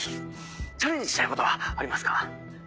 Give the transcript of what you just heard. チャレンジしたいことはありますか？